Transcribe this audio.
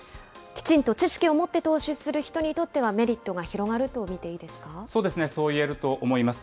きちんと知識を持って投資する人にとってはメリットが広がるそうですね、そういえると思います。